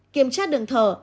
kiểm tra đường thở